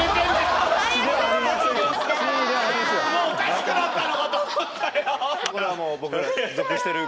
もうおかしくなったのかと思ったよ。